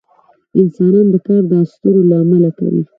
انسانان دا کار د اسطورو له امله کوي.